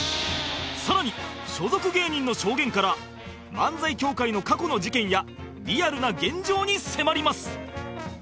更に所属芸人の証言から漫才協会の過去の事件やリアルな現状に迫ります